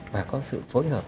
và có sự phối hợp